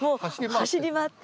走り回って。